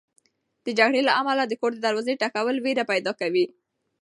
د جګړې له امله د کور د دروازې ټکول وېره پیدا کوي.